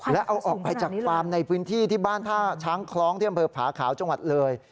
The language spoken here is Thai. แล้วเอาออกไปจากฟาร์มในพื้นที่ที่บ้านท่าช้างคล้องที่อำเภอผาขาวจังหวัดเลย